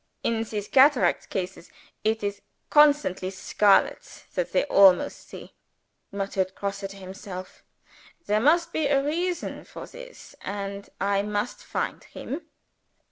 "In these cataracts cases, it is constantly scarlets that they almost see," muttered Grosse to himself. "There must be reason for this and I must find him."